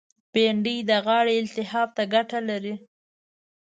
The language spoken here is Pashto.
بېنډۍ د غاړې التهاب ته ګټه لري